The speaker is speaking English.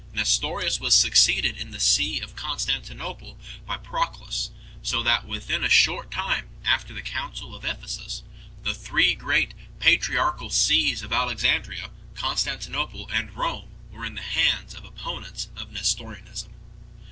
Nestorius was succeeded in the see of Constantinople by Proclus, so that within a short time after the Council of Ephesus the three great Patriarchal sees of Alexandria, Constantinople and Rome were in the hands of opponents of Nestorianism.